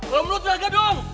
lo menurut jaga dong